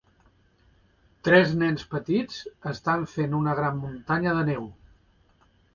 Tres nens petits estan fent una gran muntanya de neu.